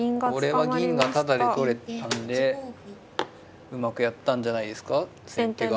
これは銀がタダで取れたんでうまくやったんじゃないですか先手が。